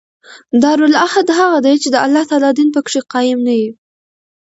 دارالعهد هغه دئ، چي د الله تعالی دین په کښي قایم نه يي.